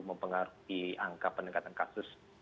mempengaruhi angka peningkatan kasus